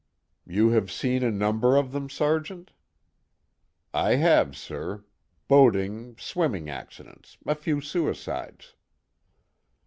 "You have seen a number of them, Sergeant?" "I have, sir. Boating, swimming accidents, a few suicides."